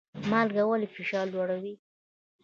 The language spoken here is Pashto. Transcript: مالګه ولې فشار لوړوي؟